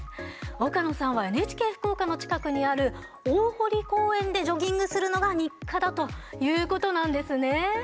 岡野さんはＮＨＫ福岡の近くにある大濠公園でジョギングするのが日課だということなんですね。